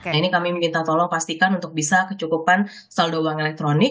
nah ini kami minta tolong pastikan untuk bisa kecukupan saldo uang elektronik